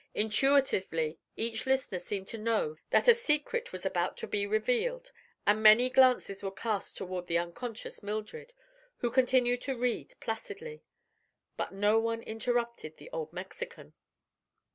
Intuitively each listener seemed to know that a secret was about to be revealed and many glances were cast toward the unconscious Mildred, who continued to read placidly. But no one interrupted the old Mexican.